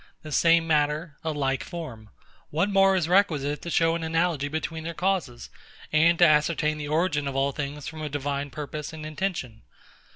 The same matter, a like form; what more is requisite to show an analogy between their causes, and to ascertain the origin of all things from a divine purpose and intention?